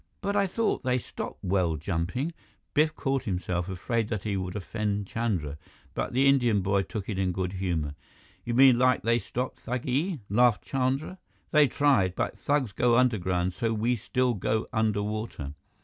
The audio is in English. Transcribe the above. "But I thought they stopped well jumping " Biff caught himself, afraid that he would offend Chandra, but the Indian boy took it in good humor. "You mean like they stop thugee?" laughed Chandra. "They tried, but thugs go underground so we still go under water.